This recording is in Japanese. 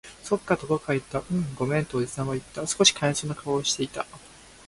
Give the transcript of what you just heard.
そっか、と僕は言った。うん、ごめん、とおじさんは言った。少し悲しそうな顔をしていた。